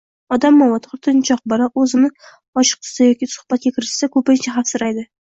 Odamovi, tortinchoq bola o‘zini ochiq tutsa yoki suhbatga kirishsa ko‘pincha xavfsiraydi.